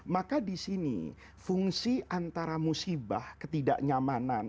maka disini fungsi antara musibah ketidaknyamanan